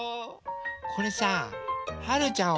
これさはるちゃん